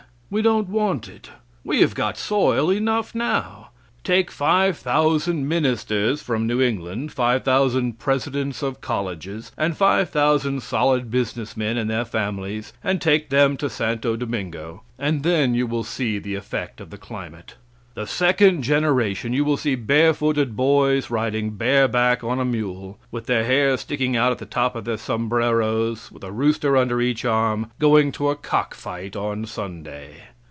We don't want it. We have got soil enough now. Take 5,000 ministers from New England, 5,000 presidents of colleges, and 5,000 solid business men, and their families, and take them to Santo Domingo; and then you will see the effect of climate. The second generation, you will see barefooted boys riding bareback on a mule, with their hair sticking out of the top of their sombreros, with a rooster under each arm, going to a cock fight on Sunday."